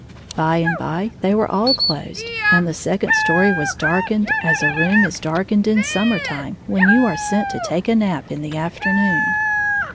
By and by they were all closed, and the second story was darkened as a room is darkened in summer time when you are sent to take a nap in the afternoon.